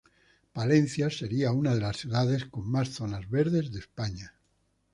Palencia sería una de las ciudades con más zonas verdes de España.